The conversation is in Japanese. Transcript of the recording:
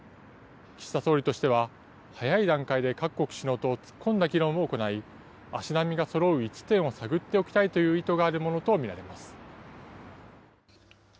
岸田総理としては早い段階で各国首脳と突っ込んだ議論を行い、足並みがそろう一致点を探る意図があるものと見られます。